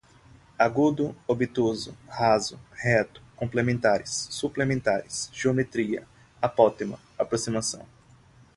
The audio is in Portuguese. agudo, obtuso, raso, reto, complementares, suplementares, geometria, apótema, aproximação